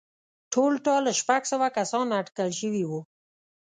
ټولټال شپږ سوه کسان اټکل شوي وو